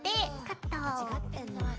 カット。